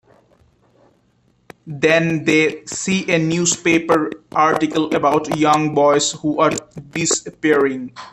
Then they see a newspaper article about young boys who are disappearing.